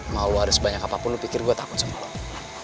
mau lu ada sebanyak apapun lu pikir gua takut sama lu